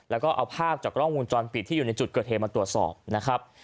แล้วก็เอาภาพจากกล้องวงจรปิดที่อยู่ในจุดเกิดเหตุมาตรวจสอบนะครับ